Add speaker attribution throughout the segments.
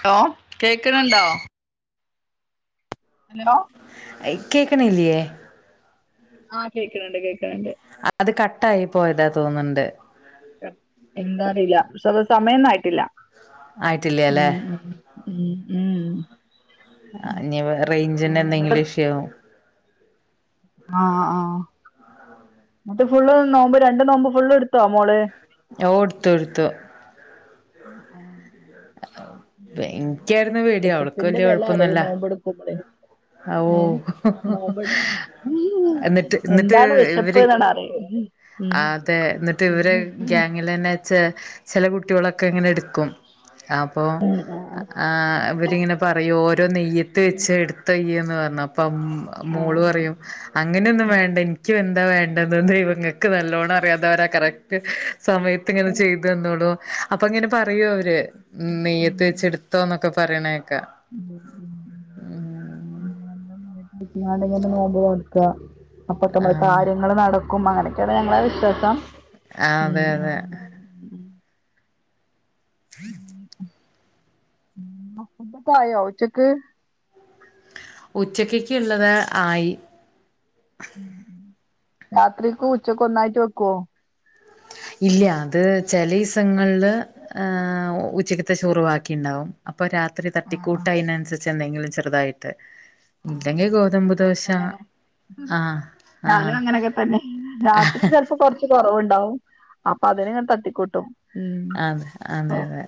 Speaker 1: Hello കേക്ക്ണ് ണ്ടോ hello
Speaker 2: കേക്കണില്ലേ
Speaker 1: ആഹ് കേക്കണ് ണ്ട് കേക്കണ് ണ്ട്
Speaker 2: അത് കട്ടായി പോയതാ തോന്ന്ണ്ട്
Speaker 1: എന്താറീല്ല [unintelligible] സമയൊന്നും ആയിട്ടില്ല
Speaker 2: ആയിട്ടില്ല അല്ലേ
Speaker 1: ഉം ഉം ഉം ഉം
Speaker 2: ആ ഇഞ് റൈഞ്ച്ന്റെ
Speaker 1: പിന്നെ എന്നിട്ട്
Speaker 2: എന്തെങ്കിലു ഇഷ്യു ആവും.
Speaker 1: ആ ആഹ് ന്നട്ട് ഫുള്ള് നോമ്പ് രണ്ട് നോമ്പ് ഫുള്ള് ഇട്ത്തോ മോള്.
Speaker 2: ഓ ട്ത്തുട്ത്തു.
Speaker 1: [unintelligible]
Speaker 2: പ് ഇൻക്ക്യാരുന്നു പേടി അവൾക്ക്
Speaker 1: വിശപ്പിന്റെ
Speaker 2: വല്യ
Speaker 1: വില
Speaker 2: കൊഴപ്പൊന്നുല്ല.
Speaker 1: [unintelligible]
Speaker 2: അ ഓ
Speaker 1: ഏ നോമ്പെടു
Speaker 2: എന്നിട്ട് ഇന്നിട്ട്
Speaker 1: എന്താണ് വിശപ്പ്
Speaker 2: ഇവര്.
Speaker 1: എന്നാണ് അറിയ ഉം
Speaker 2: അതെ ന്നട്ട് ഇവരെ ഗ്യാങ്. ലെന്നെ ചെ ചെല കുട്ട്യാളൊക്കെ ഇങ്ങനെ ട്ക്കും അപ്പോ. ആ ഇവരിങ്ങനെ പറയും ഓരോ നിയ്യത്ത് വെച്ച് ഇട്ത്തൊയ്യ്ന്ന് പർഞ്ഞ പ്പം
Speaker 1: ആ
Speaker 2: മോള്
Speaker 1: ആ
Speaker 2: പറയും അങ്ങനൊന്നും വേണ്ട ഇൻ ക്ക് എന്താ വേണ്ടെത് ദൈവങ്ങക്ക് നല്ലോണം അറിയാം അതവരാ കറക്റ്റ് സമയത്ത്ങ്ങനെ ചെയ് തിന്നോളു അപ്പൊങ്ങനെ പറയു അവര് നെയ്യത്ത് വെച്ചെടുത്തോന്നൊക്കെ പറിണേക്ക.
Speaker 1: ഉം ഉം ഉം. യാണ്ട്ങ്ങനെ നോമ്പ് നോൽക്ക അപ്പൊക്കമ്മളെ
Speaker 2: ആഹ്
Speaker 1: കാര്യങ്ങള് നട ക്കും അങ്ങനെക്കേണ് ഞങ്ങളെ വിശ്വാസം.
Speaker 2: ആ
Speaker 1: ഉം
Speaker 2: അതെ
Speaker 1: ഉം
Speaker 2: അതെ.
Speaker 1: ഉം ഉം
Speaker 2: [inaudible]
Speaker 1: ഉം ഫുഡക്കായോ ഉച്ചക്ക്.
Speaker 2: ഉച്ചക്ക്യക്ക്‌ള്ളത് ആയി.
Speaker 1: രാത്രിക്കും ഉച്ചക്കു ഒന്നായിട്ട് വെക്കൊ
Speaker 2: ഇല്ല്യ അത് ചെലയിസങ്ങൾല് ഏഹ് ഉച്ചക്ക്ത്തെ ചോറ് വാക്കിണ്ടാവും. അപ്പൊ രാത്രി
Speaker 1: ആഹ് ആഹ്
Speaker 2: തട്ടിക്കൂട്ട് അയിനൻസരിച്ച് എന്തെങ്കിലും ചെറുതായിട്ട്.
Speaker 1: ആഹ്
Speaker 2: ഇല്ലെങ്കി
Speaker 1: ആഹ് എന്നെ
Speaker 2: ഗോതമ്പ്
Speaker 1: പോലെ
Speaker 2: ദോശ.
Speaker 1: തന്നെല്ലേ
Speaker 2: ആഹ്
Speaker 1: ഞാനും
Speaker 2: ആഹ്
Speaker 1: അങ്ങനൊക്കെ തന്നെ രാത്രി ചെൽപ്പൊ കൊർ ച് കൊറവ്ണ്ടാവും അപ്പൊ അതിന് തട്ടിക്കൂട്ടും. ഉം
Speaker 2: ആ അതെ
Speaker 1: ഓ
Speaker 2: അതെ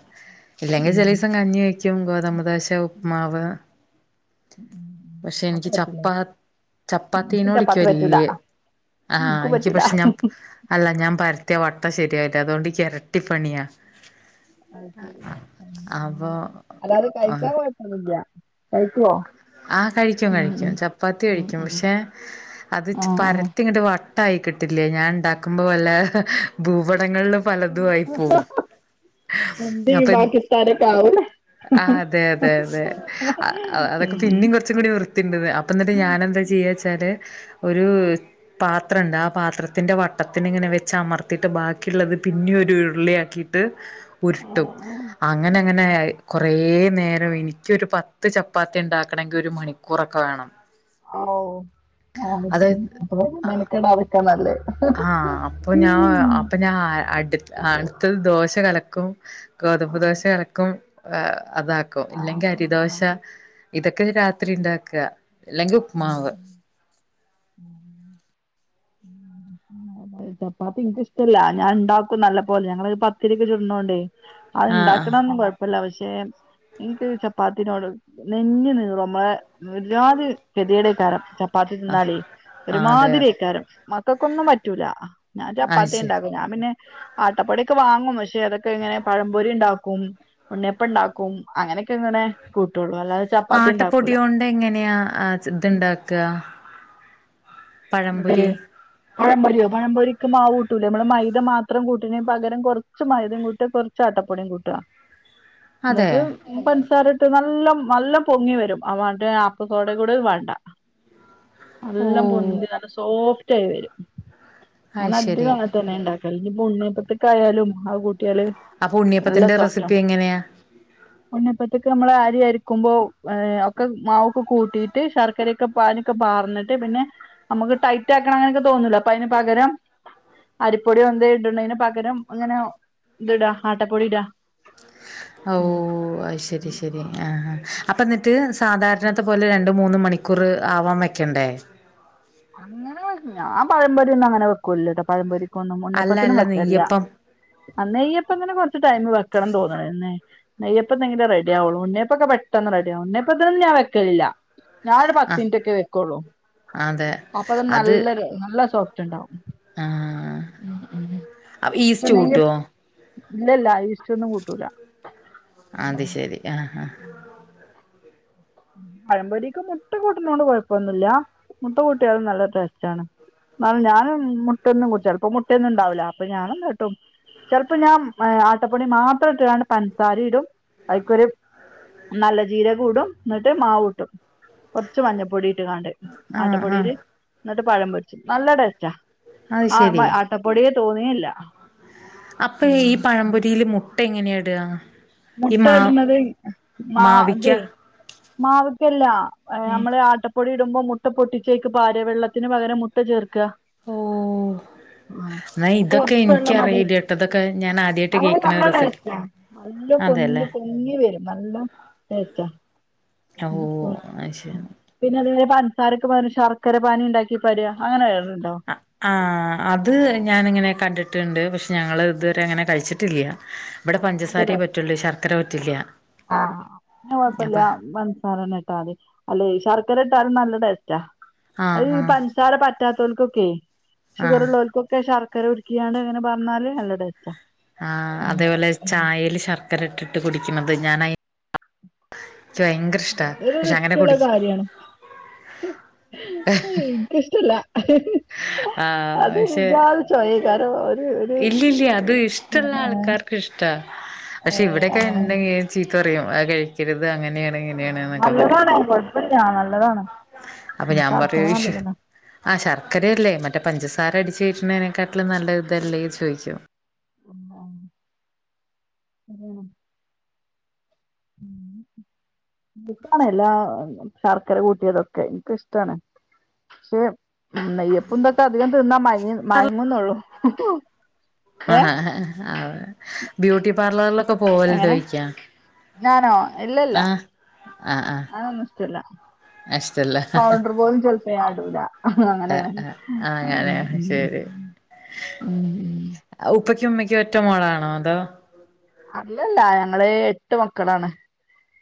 Speaker 2: ഇല്ലെങ്കി
Speaker 1: ഉം ഉം.
Speaker 2: ചെലീസം കഞ്ഞി വെക്കും ഗോതമ്പ് ദോശ, ഉപ്പ്മാവ്.
Speaker 1: ഉം ഉം
Speaker 2: പക്ഷെ എനിക്ക് ചപ്പാ
Speaker 1: എനിക്ക്
Speaker 2: ചപ്പാത്തീനോടിക്കു
Speaker 1: ചപ്പാത്തി പറ്റൂല
Speaker 2: വല്ല്യ ആഹ് എനിക്ക് പഷേ ഞാൻ പൂ അല്ല ഞാൻ പരത്തിയ വട്ടം ശരിയായിട്ട അതോണ്ട് ക്ക് എരട്ടിപ്പണിയാ.
Speaker 1: അയ് ശെരി ഉം
Speaker 2: അപ്പൊ
Speaker 1: അങ്ങനെ അല്ലാത്
Speaker 2: ആഹ്
Speaker 1: കയിക്കാൻ കൊയപ്പൊന്നുല്ല.
Speaker 2: ആഹ് കഴിക്കും കഴിക്കും ചപ്പാത്തി
Speaker 1: ഉം
Speaker 2: കഴിക്കും
Speaker 1: ഉം ഉം
Speaker 2: പഷേ അത് ച്
Speaker 1: ആഹ് ആഹ്
Speaker 2: പരത്തിങ്ങട്ട് വ ട്ടായി കിട്ടില്ലേ ഞാൻ ഇണ്ടാക്കുമ്പോ വല്ല ഭൂപടങ്ങളില് പലതും ആയി പോവും.
Speaker 1: എന്ത് ഈ
Speaker 2: അപ്പൊ ത്
Speaker 1: പാകിസ്ഥാനൊക്കെ ആവൂലേ
Speaker 2: ആ അതെ അതെ അതെ അ അ അതൊക്കെ
Speaker 1: ഉം
Speaker 2: പിന്നിം കൊർച്ചും കൂടി വ്ർത്തീണ്ട്ന്ന് അപ്പ ന്നിട്ട് ഞാനെന്താ ചെയ്യാച്ചാല് ഒരു പാത്രണ്ട് ആ പാത്രത്തിൻ്റെ വട്ടത്തിന് ഇങ്ങനെ വെച്ച് അമർത്തിട്ട് ബാക്കിള്ളത് പിന്നി ഒരു ഉരുളിയാക്കി ട്ട് ഉരുട്ടും അങ്ങനങ്ങനെ
Speaker 1: ഉം
Speaker 2: അഹ് കൊറേ നേരം എനിക്കൊരു പ ത്ത് ചപ്പാത്തി ഇണ്ടാക്കണങ്കിൽ ഒരു മണിക്കൂറൊക്കെ വേണം.
Speaker 1: ആ ഉ
Speaker 2: അത്
Speaker 1: അപ്പ മെനക്കെടാതക്കാ നല്ലേ
Speaker 2: ആഹ് അപ്പൊ ഞാൻ ഹ് അപ്പൊ ഞാൻ അഹ് അടു അടുത്ത ദോശ കലക്കും. ഗോതമ്പ് ദോശ കലക്കും ഹ് അതാ ക്കും
Speaker 1: ആഹ്
Speaker 2: ഇല്ലെങ്കി അരിദോശ
Speaker 1: ആഹ്
Speaker 2: ഇതൊക്കെ രാത്രി ഇണ്ടാക്ക അല്ലെങ്കി ഉപ്മാവ്.
Speaker 1: ഉം ഉം ഉം അഹ് ചപ്പാത്തി ഇൻക്കിഷ്ടല്ല ഞാൻ ഇണ്ടാക്കും നല്ല പോലെ ഞങ്ങളഹ് പത്തിരിഒക്കെ ചുട്ണോണ്ടേ.
Speaker 2: ആഹ്
Speaker 1: അത്ണ്ടാക്ണൊന്നും കൊയപ്പല്ല പഷേ ഇൻക്ക് ചപ്പാത്തിനോട് നെഞ്ഞ് നീറും അമ്മളെ ഒരുജാതി കെതിയെടേക്കാരം ച പ്പാത്തി
Speaker 2: ആഹ് ആഹ്
Speaker 1: തിന്നാളി
Speaker 2: ആഹ് അതെ അതെ
Speaker 1: ഒരുമാതിരിയേക്കാരം മക്കക്കൊന്നും പറ്റൂല ഞാ
Speaker 2: അത്
Speaker 1: ചപ്പാത്തിയാ
Speaker 2: ശരി
Speaker 1: ഇണ്ടാക്ക ഞാൻ പിന്നെ. ആട്ടപ്പൊടി ഒക്കെ വാങ്ങും പക്ഷെ അതക്കെ ഇങ്ങനെ പഴം പൊരി ഇണ്ടാക്കും ഉണ്ണിയപ്പിണ്ടാ ക്കും അങ്ങനെക്കെ ഇങ്ങനെ കൂട്ടൊള്ളൂ അല്ലാ
Speaker 2: ആട്ടപ്പൊട്യോങ്ങനെയാ ഇത്ണ്ടാക്കാ
Speaker 1: അതെ പഴംപൊര്യോ പഴംപൊരിക്ക് മാവൂട്ടൂലേ നമ്മള് മൈദ മാത്രം കൂട്ട്നീ പകരം കൊറ ച്ച് മൈദം കൂട്ടാ കൊറച്ച് അട്ടപ്പൊടിം കൂട്ട
Speaker 2: അതെ
Speaker 1: ന്നട്ട് പൻസാര ഇട്ട് നല്ല നല്ല പൊങ്ങി വരും ആ മറ്റേ അപ്പസോടേം കൂടെ വേണ്ട.
Speaker 2: ഓ
Speaker 1: നല്ലം പൊന്തി നല്ല സോഫ്റ്റ് ആയി വരും ഞാൻ
Speaker 2: അത് ശരി
Speaker 1: അധികം അങ്ങന തന്നേ ഇണ്ടാ ചെലരിപ്പ ഉണ്ണി അപ്പത്തിക്കായാലും അത് കൂട്ടിയാല്
Speaker 2: അപ്പൊ ഉണ്ണിയപ്പത്തിന്റെ റെസിപ്പി എങ്ങനെയാ?
Speaker 1: ഉണ്ണിയപ്പത്ത്ക്ക് നമ്മള് അരിയരക്കുമ്പോ ഏഹ് ഒക്കെ മാവൊക്കെ കൂട്ടീട്ട് ശർക്കരെ ക്ക പാനിഒക്കെ പാർന്നിട്ട് പിന്നനമുക്ക് ടൈറ്റ് ആക്കണം അങ്ങനെക്കെ തോന്നൂലെ അപ്പൊ അയിന് പകരം അരിപ്പൊടി ഒന്ത ഇടണേന് പകരം ഇങ്ങനെ ഇതിടാ ആട്ടപ്പൊടി ഇടാ
Speaker 2: ഓഹ് അത് ശരി ശരി ആഹ് അപ്പ എന്നിട്ട് സാധാരണത്തെ പോലെ ര ണ്ട് മൂന്ന് മണിക്കൂറ് ആവാൻ വെക്കണ്ടേ?
Speaker 1: അങ്ങനെവരില്ല ഞാൻ പഴമ്പൊരി ഒന്നും അങ്ങനെ വെക്കൂല്ലാട്ടോ പഴമ്പൊരിക്കൊന്നും
Speaker 2: അല്ല
Speaker 1: ഉണ്ണിയപ്പത്തിനും
Speaker 2: അല്ല
Speaker 1: വെക്കലില്യ
Speaker 2: നെയ്യപ്പം
Speaker 1: അഹ് നെയ്യപ്പത്തിന് കൊറച്ച് ടൈമ് വെക്കണം തോന്നണ് നെയ്യപ്പം ന്നെങ്കിലെ റെഡിയാവുള്ളൂ ഉണ്ണ്യപ്പൊക്കെ പെട്ടെന്ന് റെഡിയാവും ഉണ്ണ്യപ്പത്തിന് ഞാൻ വെക്കലില്ല ഞാൻ ഒരു
Speaker 2: ആ
Speaker 1: പത്തിൻന്റൊക്കെ വെക്കെള്ളൂ
Speaker 2: അതെ
Speaker 1: അപ്പതന്നെ
Speaker 2: അത്
Speaker 1: നല്ലൊര് നല്ല സോഫ്റ്റ് ഇണ്ടാവും.
Speaker 2: ആ
Speaker 1: ഉം ഉം
Speaker 2: ഈസ്റ്റ് കൂട്ടുവോ
Speaker 1: [unintelligible] ഇല്ലില്ല ഈസ്റ്റൊന്നും കൂട്ടൂലാ
Speaker 2: അത് ശെരി ആഹാ
Speaker 1: പഴമ്പൊരിക്ക് മുട്ട കൂട്ടുന്നോണ്ട് കൊഴപ്പൊന്നുവില്ല മുട്ട കൂട്ടിയാലും നല്ല ടേസ്റ്റാണ് എന്നാലും ഞാനും മുട്ടയൊന്നും [unintelligible] ചെലപ്പ മുട്ടയൊന്നും ഇണ്ടാവൂല്ല അപ്പൊ ഞാൻ എന്താട്ടും ചിലപ്പോ ഞാൻ ആട്ടപ്പൊടി മാത്രം ഇട്ടാണ്ട് പൻസാരേം ഇടും അതിക്കൊരു നല്ല ജീരകോം ഇടും എന്നിട്ട് മാവൂട്ടും കൊറച്ച് മഞ്ഞപ്പൊടിയിട്ട്ങ്ങാണ്ട്
Speaker 2: ആ ആ
Speaker 1: ആട്ടപ്പൊടീല് ന്നട്ട് പഴം പൊരിച്ചും നല്ല ടേസ്റ്റാ
Speaker 2: അത് ശരി
Speaker 1: ആഹ് ആട്ടപ്പൊടി തോന്നേയില്ല
Speaker 2: അപ്പ ഈ
Speaker 1: ഉം
Speaker 2: പഴമ്പൊരീല് മുട്ട എങ്ങനെ ഇടാ
Speaker 1: മുട്ട ഇട്ണത് മാ
Speaker 2: മാവിക്ക
Speaker 1: ഇതെ മാവ്ക്കെല്ല അഹ്
Speaker 2: ഏ?
Speaker 1: നമ്മള് ആട്ട പ്പൊടി ഇടുമ്പോ മുട്ട പൊട്ടിച്ചയ്ക്ക് പാരാ വെള്ളത്തിന് പകരം മുട്ട ചേർക്കാ
Speaker 2: ഓ എന്നാ
Speaker 1: അപ്പൊ
Speaker 2: ഇതൊക്കെ
Speaker 1: കൊറച്ച് വെള്ളം മതി
Speaker 2: എനിക്കറിയില്ല കേട്ടോ ഇതൊക്കെ ഞാൻ
Speaker 1: [unintelligible]
Speaker 2: ആദ്യമായിട്ട് കേൾക്കണ
Speaker 1: നല്ല
Speaker 2: റെസിപ്പി
Speaker 1: ടേസ്റ്റാ നല്ല പൊന്തി
Speaker 2: അതെല്ലേ
Speaker 1: പൊങ്ങി വരും നല്ല ടേസ്റ്റാ ഇം
Speaker 2: ഓ
Speaker 1: ആഹ്
Speaker 2: അത്
Speaker 1: ഉം
Speaker 2: ശരി
Speaker 1: പിന്നെ അതേ പൻസാരക്ക് പകരം ശർക്കരപ്പാനി ഇണ്ടാക്കി പകരുക അങ്ങനെ കേട്ടിട്ടുണ്ടോ
Speaker 2: ആഹ് അത് ഞാനിങ്ങനെ കണ്ട്ട്ട്ണ്ട് പക്ഷെ ഞങ്ങള് ഇത് വരെ അങ്ങനെ കഴിച്ചിട്ടില്ല ഇബടെ
Speaker 1: അത് രസാ
Speaker 2: പഞ്ചസാരെപറ്റുള്ളൂ ശർക്കര പറ്റില്ല
Speaker 1: ആഹ് പിന്നെ
Speaker 2: അപ്പ
Speaker 1: കൊഴപ്പില്ല പൻസാരന്നെ ഇട്ടാമതി അല്ല ഈ ശർക്കര ഇട്ടാലും നല്ല ടേസ്റ്റാ
Speaker 2: ആഹ്
Speaker 1: അത്ഈ
Speaker 2: ആഹ്
Speaker 1: പൻസാര പറ്റാതോൽക്കൊക്ക്യ ഷുഗർ
Speaker 2: ആഹ്
Speaker 1: ഉള്ളോൽക്കും ച്ച് ശർക്കര ഉര്കിക്കാണ്ട് ഇങ്ങനെ പാർന്നാല് നല്ല ടേസ്റ്റാ
Speaker 2: ആഹ് അതേപോലെ ചായേല് ശർക്കര ഇട്ടിട്ട് കുടിക്കണത് ഞാന ഇഷ്ടാ
Speaker 1: അതൊരു
Speaker 2: പക്ഷെ അങ്ങനെ
Speaker 1: റിസ്‌ക്കിള്ള
Speaker 2: കുടിക്കും
Speaker 1: കാര്യാണ്. ഇഷ്ടല്ല
Speaker 2: ആഹ് പക്ഷെ
Speaker 1: അതൊരുജാതി ചൊയയ്ക്കാരം ഒരു ര് [unintelligible]
Speaker 2: ‌ക്കിഷ്ടാ പക്ഷെ ഇവിടെയൊക്കെ ഇണ്ടെങ്കി ചീത്ത പറയും അത് കഴിക്കരുത് അങ്ങനെയാണ് ഇങ്ങനെയാണ്ന്നൊക്കെ പറയും
Speaker 1: നല്ലതാണ് കുഴപ്പമില്ല നല്ലതാണ്
Speaker 2: അപ്പ ഞാൻ
Speaker 1: ശർക്കര
Speaker 2: പറയും വിഷ്
Speaker 1: നല്ലതല്ല
Speaker 2: ആഹ് ശർക്കരയല്ലേ മറ്റേ പഞ്ചസാര അടിച്ച് കേറ്റ്നെണെക്കാട്ട്ലും നല്ല ഇതല്ലേ ചോയ്ച്ചും
Speaker 1: ആ ആഹ് ഉ ഉം ഇക്കാണല്ലാ ശർക്കര കൂട്ടിയതൊക്കെ ഇനക്ക് ഇഷ്ടാണ്. പക്ഷെ നെയ്യ ഇപ്പന്തൊക്കെ അധികം തിന്നാ മ മയങ്ങുന്നുള്ളു ഏഹ
Speaker 2: ആ ആ ബ്യൂട്ടി പാർലറിലൊക്കെ
Speaker 1: എങ്ങനെ
Speaker 2: പോവലുണ്ടോഴിക്കാ, ആഹ
Speaker 1: ആതോന്നുംഷ്ടല്ല
Speaker 2: ഇഷ്ടല്ല ആ
Speaker 1: പൗടർ പോലും ചിലപ്പോ ഞാൻടൂല അങ്ങനെയാണ്
Speaker 2: ആ ആ അങ്ങനെ ശരി
Speaker 1: ഉം ഉം
Speaker 2: ഉപ്പയ്ക്കും ഉമ്മക്കും ഒറ്റ മോളാണോ അതോ
Speaker 1: അല്ലല്ല ഞങ്ങള് എട്ട് മക്കളാണ്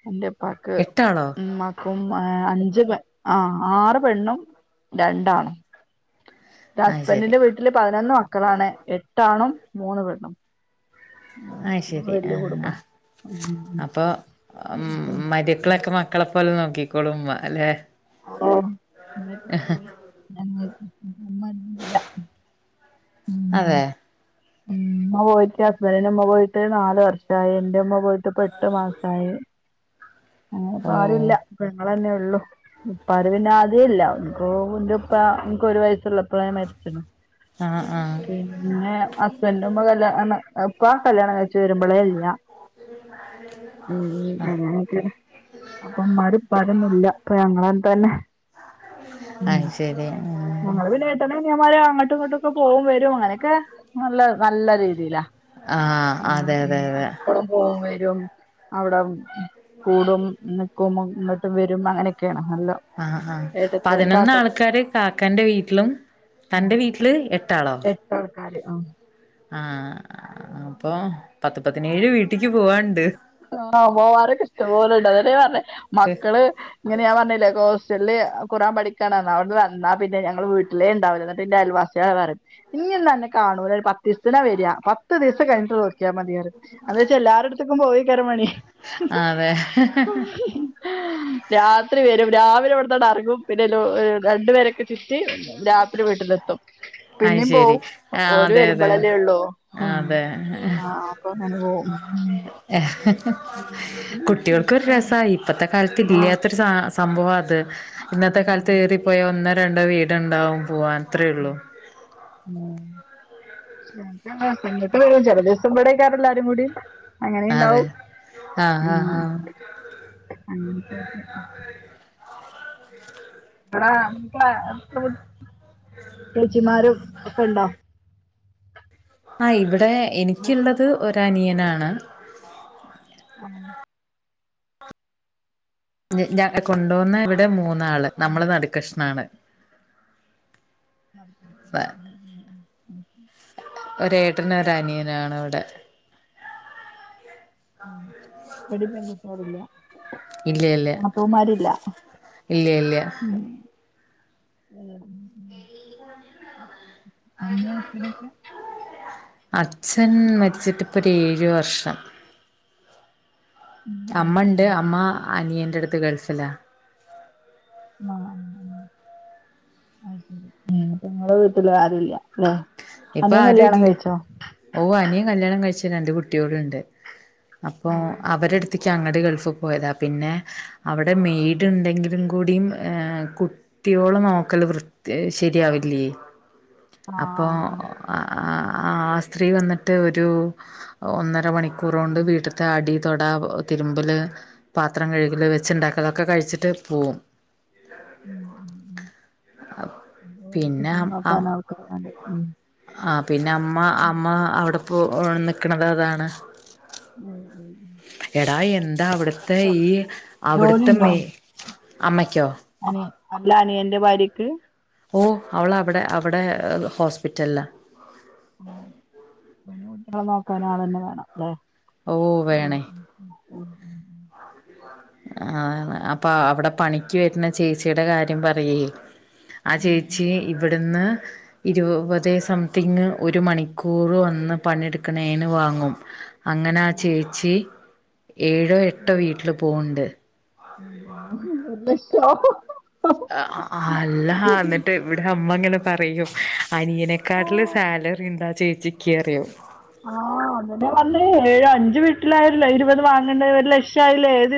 Speaker 1: എന്റുപ്പാക്ക്
Speaker 2: എട്ടാളോ
Speaker 1: ഉമ്മാ ഇപ്പം അഞ്ച് പ ആറ് പെണ്ണും രണ്ടാണും
Speaker 2: ആ ശരി
Speaker 1: ഹസ്ബൻഡറിന്റെ വീട്ടില് പതിനൊന്ന് മക്കളാണ് എട്ടാണും മൂന്ന് പെണും
Speaker 2: ആ
Speaker 1: ഉ ഞ
Speaker 2: ശരി ആ
Speaker 1: വല്യ കുടുംബ
Speaker 2: ആ മക്കളൊക്കെ മക്കളെ പോലെ നോക്കിക്കോളും ഉമ്മ അല്ലെ
Speaker 1: ആ ഇമ്മോക്കെ പോയി മ്മന്ന് ഇല്ല
Speaker 2: അതെ
Speaker 1: ഉഇമ്മപോയിറ്റ് ഹസ്ബന്റിന്റെ ഇമ്മപോയിറ്റ് നാല് വർഷായി, ന്റെ ഇമ്മ പോയിട്ട് ഇപ്പോ എട്ടു മാസായി.
Speaker 2: ഓ
Speaker 1: അങ്ങനെപ്പരുല്ല ഞങ്ങളന്നെ ഉള്ളു ഇപ്പറിവിന്ന ആദ്യേ ഇല്ല ഒന്ന അപ്പോ എന്റെപ്പ നിനിക്ക് ഒരു വയസ്സുള്ള അപ്പള മരിച്ചണ്
Speaker 2: ആ ആ
Speaker 1: പിന്നെ പമ്മ കല്യാ ഇപ്പൊ ആ കല്യാണം കഴച്ച് വരുമ്പോളേ അല്ല
Speaker 2: [unintelligible]
Speaker 1: ഉം
Speaker 2: ആ
Speaker 1: അങ്ങക്കെയാ അപ്പൊ ഉമ്മാരും ഉപ്പാരും ഇല്ല്യ ഇപ്പൊ ഞങ്ങന്ത തന്നെ
Speaker 2: അത് ശരി
Speaker 1: ഞങ്ങള് പിന്ന ഏട്ടനും അനിയന്മാരും അങ്ങട്ടും ഇങ്ങട്ടും ഒക്കെ പോകും വരും അങ്ങനെയൊക്കെ നല്ല നല്ല രീതിയിലാ.
Speaker 2: ആഹ്
Speaker 1: ഉം
Speaker 2: അതെ അതെ
Speaker 1: ഉം
Speaker 2: അതെ
Speaker 1: എപ്പളും. പോകും വരും അവിടെ കൂടും ന്ക്കും ഇങ്ങോട്ടും വരും അങ്ങനെ ക്കേണ് നല്ലൊ
Speaker 2: ആഹ് ആഹ് പതിനൊന്നാൾക്കാര് കാക്കന്റെ വീട്ടിലും തൻ്റെ വീട്ടില് എട്ടാളോ?
Speaker 1: എട്ടാൾക്കാര്. ആഹ്
Speaker 2: ആഹ് അപ്പൊ പത്ത് പതിനേഴ് വീട്ടിക്ക് പോവാൻണ്ട്.
Speaker 1: അത് നൂറാവും. പോവാനൊക്കെ ഇഷ്ടംപോലണ്ട് അതെന്നേ പർഞ്ഞെ മക്കള് ഇങ്ങനെ ഞാൻ പർഞ്ഞിലേ. ഹോസ്റ്റലില് കുറാൻ പഠിക്കാണ് ന്ന്, അവിടുന്ന് വന്നാ പിന്നെ ഞങ്ങള് വീട്ടിലേ ഉണ്ടാവൂല്ല ഇന്നട്ട് ഇന്റെ അയൽവാസി [unintelligible] ന്നറിം ഇഞ്ഞിന്നന്നെ കാണൂല പത്തീസ്‌ത്തിനാ വരാ. പ ത്ത് ദിവസം കഴിഞ്ഞ് ട്ട് നോക്കിയാ മതി പറിം. എന്താച്ചാ എല്ലാരട്ത്ക്കും പോയി മണേ
Speaker 2: അതെ
Speaker 1: രാത്രി വരും രാവിലെ ഇവട്ന്നാണ്ട് അർങ്ങും പിന്നെ എല്ലോ രണ്ടുപേരെ ക്കെ ചുറ്റി രാത്രി വീട്ടിലെത്തും.
Speaker 2: അത്
Speaker 1: പിന്നിം
Speaker 2: ശരി
Speaker 1: പോവും
Speaker 2: ആഹ്
Speaker 1: ഓരു
Speaker 2: അതെ അതെ
Speaker 1: വരുമ്പളല്ലേ ഒള്ളൂ ഉം.
Speaker 2: അതെ
Speaker 1: ആഹ് ആഹ് അപ്പൊ അങ്ങനെ പോവും.
Speaker 2: കുട്ടികൾക്കൊരു
Speaker 1: ആണ്
Speaker 2: രസായി. ഇപ്പത്തെ കാലത്ത്
Speaker 1: ആഹ്
Speaker 2: ഇല്ല്യാത്തൊരു സാ സംഭവാ ത്. ഇന്നത്തെ കാലത്ത് ഏറിപ്പോയാ ഒന്നോ രണ്ടോ വീട്ണ്ടാവും പൂവാൻ അത്രേ ള്ളു.
Speaker 1: ആഹ്. ചെൽപ്പങ്ങള് ഇങ്ങട്ട് വരും ചെല ദിവസം ഇവടെകാരം എല്ലാരും കൂടി.
Speaker 2: അതെ
Speaker 1: അങ്ങനീണ്ടാവും
Speaker 2: ആഹ്
Speaker 1: ഉം
Speaker 2: ആഹ് ആഹ്
Speaker 1: അങ്ങൻത്തൊക്കെ ആഹ് [unintelligible] ചേച്ചിമാരും ഒക്കെ ണ്ടോ?
Speaker 2: ആ ഇവടെ
Speaker 1: ഇങ്ങക്ക്
Speaker 2: എനിക്കുള്ളത് ഒരനിയനാണ്.
Speaker 1: ആഹ്
Speaker 2: ഞ് ഞ കൊണ്ടോന്ന വിടെ മൂന്നാള് നമ്മള് നടുക്കഷ്ണാണ്. വ-
Speaker 1: [inaudible]
Speaker 2: ഒരേട്ടനും ഒരനിയനാണ് വടെ.
Speaker 1: ആഹ് വടിം പെങ്കുട്ട്യേളില്ല
Speaker 2: ഇല്ല ഇല്ല
Speaker 1: നാത്തൂമാരില്ല
Speaker 2: ഇല്ല ഇല്ല
Speaker 1: മ് ഉം ഉം ഉം അമ്മേ അച്ഛനൊക്കെ ഊം
Speaker 2: ഒരേഴ് വർഷം
Speaker 1: ഉം
Speaker 2: അമ്മണ്ട്
Speaker 1: ഉം
Speaker 2: അമ്മ അനിയന്റെടുത്ത് ഗൾഫില
Speaker 1: ആഹ് മ് മ് അഹ് ശരി ഇനിപ്പ ഇങ്ങളെ വീട്ടിലാരുല്ല്യ ലെ
Speaker 2: ഇപ്പ ആരുല്ല ഓഹ് അനിയൻ കല്യാണം കഴിച്ച് രണ്ട് കുട്ട്യോളുണ്ട് അപ്പൊ
Speaker 1: ഉം ഉം
Speaker 2: അവരെടുത്ത്ക് ച്ചങ്ങട് ഗൾഫി പോയതാ പിന്നെ അവിടെ മെയ്ട് ണ്ടെങ്കിലും കൂടീം ഏഹ് കുട്ട് ട്ടിയോളെ നോക്കല് വൃത്തി ശരിയാവില്ലേയ്
Speaker 1: ഉം
Speaker 2: അപ്പൊ
Speaker 1: ആഹ്
Speaker 2: ആ..... സ്ത്രീ വന്നിട്ട് ഒരു ഒന്നര മണി കുറോണ്ട് വീട്ട്ത്തെ അടി തൊട തിരുമ്പല് പാത്രം കഴുകല് വെച്ചുണ്ടാക്കലൊക്കെ കഴിച്ചിട്ട് പോവും
Speaker 1: മ് മ് മ് അ
Speaker 2: പിന്നെ
Speaker 1: കുട്ടിനെ നോക്കാനാൾക്കാര് [unintelligible]
Speaker 2: ആഹ് പിന്നെ അമ്മ അമ്മ അവിടെപ്പോ നിക്കണതതാണ്
Speaker 1: ഉം ഉം
Speaker 2: എടാ എന്താ അവിട്ത്തെ
Speaker 1: ഉം
Speaker 2: ഈ അവിട്ത്തെ മേ അമ്മക്കോ
Speaker 1: ആഹ് അല്ല അനിയന്റെ ഭാര്യക്ക്
Speaker 2: ഓഹ് അവളവിടെ അവിടെ ഹോസ്പിറ്റൽല
Speaker 1: ആഹ് അപിന്നെ കുട്ടികളെ നോക്കൻ ആളന്നെ വേണം ല്ലെ
Speaker 2: ഓ
Speaker 1: മ്
Speaker 2: വേണേ
Speaker 1: മ് മ് മ് മ്
Speaker 2: ആഹ് അപ്പൊ അവിടെ പണിക്ക് വര്ണെ ചേച്ചിടെ കാര്യം പറയൊയ് ആ
Speaker 1: ഉം
Speaker 2: ചേച്ചി ഇവ്ട്ന്ന് ഇരുവതേ സം തിങ്ങ് ഒരു മണിക്കൂർ വന്ന് പണിട്ക്ക്ണേന് വാങ്ങും അങ്ങനാ ചേച്ചി ഏഴോ എട്ടോ വീട്ടിൽ പോവ്ണ്ട്
Speaker 1: മ് ഒരു ലക്ഷോ
Speaker 2: അ-അ അല്ല ന്നിട്ട് വിടെ അമ്മ ങ്ങനെ പറയും അനിയനെക്കാട്ടിലും സാലറിണ്ട് ആ ചേച്ചിക്ക്‌റിയും
Speaker 1: ആഹ് അതന്നെ പറഞ്ഞെ ഏഹ്അഞ്ചു വീട്ടിലായിട്ടല്ലേ ഇരുപത് വാങ്ങുന്നേ ഒരു ലക്ഷം ആയില്ലേ ഏത്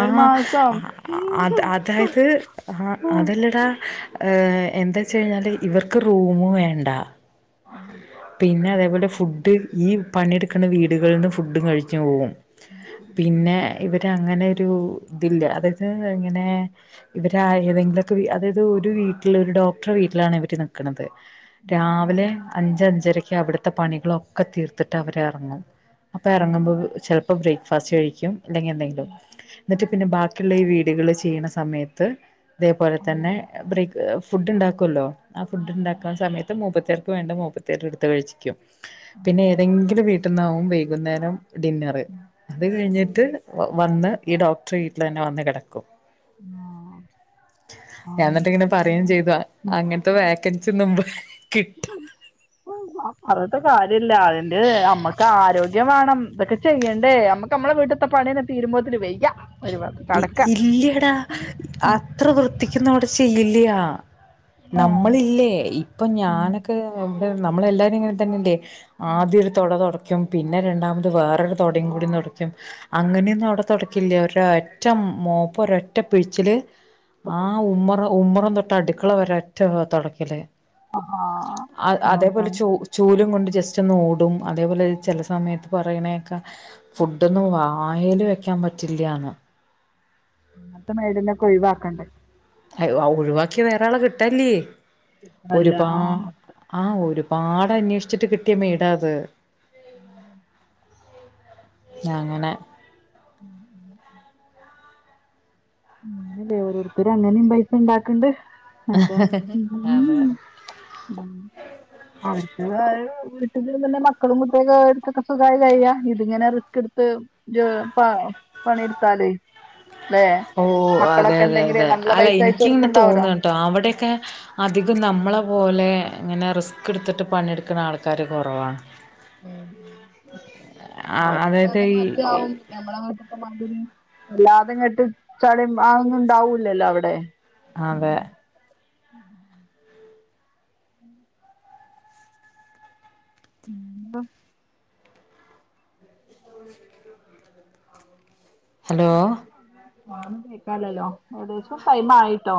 Speaker 1: ഒരു മാസം
Speaker 2: ആഹ് അത് അതായത് ഹ അതല്ലടാ ഏഹ് എന്താച്ചഴിഞ്ഞാല് ഇവർക്ക് ഒര് റൂമ് വേണ്ട പിന്നെ അതേപോലെ ഫുഡ് ഈ പണിയെടുക്ക്‌ണ വീടുകളിന്ന് ഫുഡും കഴിച്ച് പോവും പിന്നെ ഇവര് അങ്ങനൊരു ഇതില്ല [unintelligible] ഇങ്ങനെ ഇവര് ആ ഏതെങ്കിലൊക്കെ വീ അതായത് ഒരു വീട്ടിൽ ഒരു ഡോക്ടറെ വീട്ടിലാണ് ഇവര് നി ക്ക്‌ണത്
Speaker 1: ഉം
Speaker 2: രാവിലെ അഞ്ചഞ്ച് രക്ക് അവിടുത്തെ പണികളൊക്കെ തീർത്തിട്ട് അവരെർങ്ങും അപ്പൊ
Speaker 1: ഉം
Speaker 2: എർങ്ങുമ്പോ
Speaker 1: ഉം
Speaker 2: ചെൽപ്പോ ബ്രേക്ക്ഫാസ്റ്റ് കഴിക്കും അല്ലെങ്കി എന്തെങ്കിലും എന്നിട്ട് പിന്നെ ബാ ക്കിള്ള ഈ വീടുകള് ചെയ്യണ സമയത്ത്
Speaker 1: അതൊന്നും
Speaker 2: തേപോലെതന്നെ
Speaker 1: കഴിക്കും
Speaker 2: ബ്രേക്ക് ഫുഡ്ണ്ടാക്കോല്ലോ ആ
Speaker 1: ഉം ഉം
Speaker 2: ഫുഡ്ണ്ടാക്കാൻ സമയത്ത് മൂപ്പത്യാർക്ക് വേണ്ടത് മൂപ്പത്യാര് ഇട്ത്ത് കഴിച്ചിക്കും പിന്നെ ഏതെങ്കിലും വീ ന്നാവും വൈകുന്നേരം ഡിന്നർ അത് കഴിഞ്ഞിട്ട് വ വന്ന് ഈ ഡോക്ടറെ വീട്ടിലന്നെ വന്ന് കെടക്കും ഞാന്നിട്ട് ങ്ങനെ പറയും ചെയ്തു അങ്ങൻ ത്ത വേക്കൻസ് നമ്മ കിട്ടു
Speaker 1: [inaudible] പറഞ്ഞിട്ട് കാര്യല്ല അതിന്റെ അമ്മക്ക് ആരോഗ്യം വാണം തൊക്കെ ചെയ്യണ്ടേ മ്മക്ക് ക്ക മ്മളെ വീട്ട് ത്തെ പണ്യന്നെ തീരുമ്പോത്തിന് വെയ്യ.
Speaker 2: ഇ ഇല്ല്യയടാ അത്ര വൃത്തിക്കൊന്നും അവിടെ ചെയ്യില്ല്യാ. നമ്മളില്ലേ ഇപ്പം ഞാനൊക്കെ ഇവടെ നമ്മളെല്ലാരുങ്ങൻ തന്നെല്ലേ. ആദ്യ ഒരു തൊട തൊടക്കും. പിന്നെ രണ്ടാമത് വേറൊരു തൊടിം കൂടി തൊടി ക്ക്യും. അങ്ങന്യൊന്നും അവ്ടെ തൊടക്കില്ല ഒരൊറ്റ മോപ്പ ഒരൊറ്റ പിഴിച്ചില് ആ ഉമ്മറ ഉമ്മറം തൊട്ട് അടുക്കള വരെ ഒറ്റ തൊടക്കല് അ
Speaker 1: അങ്ങനത്തെ
Speaker 2: അതേപോലെ ചു ചൂലും കൊണ്ട് ജസ്റ്റ് ഒന്ന് ഓ ടും അതേപോലെ ചെല സമയത്ത് പറയ്ണേക്കെ ഫുഡൊന്നും വായേൽ വെക്കാൻ പ റ്റില്ല്യാന്ന്.
Speaker 1: അങ്ങൻത്തെ മെയ്ഡിനൊക്കെ ഒഴിവാക്കണ്ടേ.
Speaker 2: ഹലൊ ആഹ് ഒഴിവാക്കിയാ വേറാളെ കിട്ടാ ല്ല്യേ.
Speaker 1: അല്ല
Speaker 2: ഒരുപാ ആഹ് ഒരുപാട് അന്വേഷിച്ചിട്ട് കിട്ടിയ മെയ്ഡാത്. ഞങ്ങനെ
Speaker 1: ഉണ്ട്ല്ലേ ഓരോരുത്തര് അങ്ങനിം പൈസ ഉണ്ടാക്കണ്ട് അതോ.
Speaker 2: അതെ
Speaker 1: [unintelligible] വീട്ട് ല്‌ര്ന്നന്നെ മക്കളും കുട്ടികക്കെ ട്‌ത്തൊക്കെ സുഖായി കഴിയാ. ഇതിങ്ങനെ റിസ്ക് ഇട്ത്ത് ജോ പ പണി ട്ത്താലെ ലേ.
Speaker 2: ഓഹ് അതെയതെയതെ അല്ല
Speaker 1: അയച്ചു
Speaker 2: എനിക്കിങ്ങനെ
Speaker 1: കൊടുക്കണ്ടാവല്ലോ
Speaker 2: തോന്നാട്ടോ അവിടക്കെ അധികും നമ്മളെ പോലെ ഇങ്ങനെ റിസ്കിടുത്തിട്ട് പണിട്കണ ആള്ക്കാര് കൊറവാണ്. ആ
Speaker 1: അവർക്ക് പിന്നെ
Speaker 2: അതായത്
Speaker 1: അത്
Speaker 2: ഈ
Speaker 1: [inaudible]
Speaker 2: അതെ
Speaker 1: [unintelligible]
Speaker 2: ഹലോ
Speaker 1: [unintelligible] കേക്കാലല്ലോ ഏകദേശം ടൈമായിട്ടോ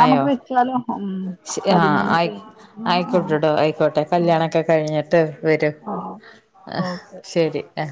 Speaker 2: ആയോ ആഹ ആയി
Speaker 1: ആ
Speaker 2: ആയിക്കോട്ടെടോ ആയിക്കോട്ടെ. കല്യാണൊക്കെ കഴിഞ്ഞിട്ട് വര്.
Speaker 1: ആ
Speaker 2: ആ
Speaker 1: ഓക്കെ
Speaker 2: ശരി അ